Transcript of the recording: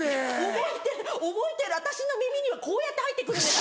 覚えてる覚えてる私の耳にはこうやって入って来るんです。